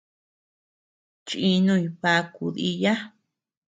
Chinuñ bakuu diya.